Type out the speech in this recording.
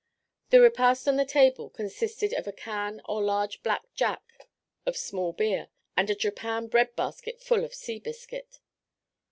The repast on the table consisted of a can or large black jack of small beer, and a japan bread basket full of sea biscuit.